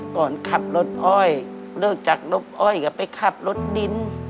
ก่อนขับรถอ้อยเลิกจากนกอ้อยก็ไปขับรถดิน